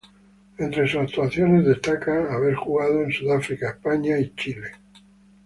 Entre sus actuaciones destacan haber jugado en Sudáfrica, España y Chile.